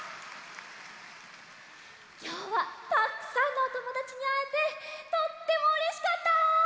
きょうはたくさんのおともだちにあえてとってもうれしかった！